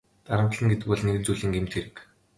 Дарамтална гэдэг бол нэгэн зүйлийн гэмт хэрэг.